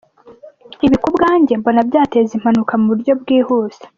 Ibi ku bwanjye mbona byateza impanuka mu buryo bwihuse".